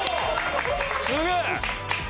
すげえ！